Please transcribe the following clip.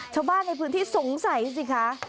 ชาวบ้านในพื้นที่สงสัยสิคะ